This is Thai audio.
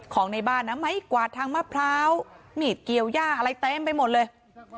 ของในบ้านนะไม้กวาดทางมะพร้าวมีดเกี่ยวย่าอะไรเต็มไปหมดเลย